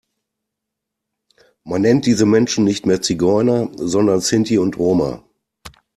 Man nennt diese Menschen nicht mehr Zigeuner, sondern Sinti und Roma.